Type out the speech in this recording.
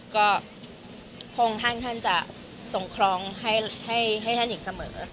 ก็คงท่านท่านจะส่งครองให้ให้ให้ท่านอีกเสมอ